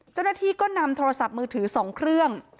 เจ้าหน้าที่ก็นำโทรศัพท์มือถือ๒เครื่อง